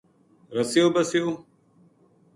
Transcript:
رسیو بسیو